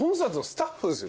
スタッフなんですよ。